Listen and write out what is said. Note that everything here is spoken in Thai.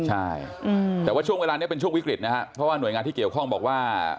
ใช่แต่ว่าช่วงเวลานี้เป็นช่วงวิกฤตนะครับเพราะว่าหน่วยงานที่เกี่ยวข้องบอกว่า